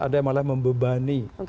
ada yang malah membebani